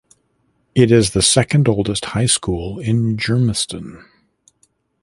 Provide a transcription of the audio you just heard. It is the second oldest high school in Germiston.